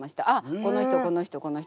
この人この人この人。